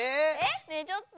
ねえちょっと。